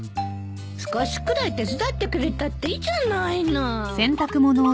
少しくらい手伝ってくれたっていいじゃないの。